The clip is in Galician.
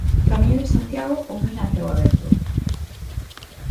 Camiño de Santiago ou mina a ceo aberto?